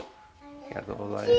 ありがとうございます。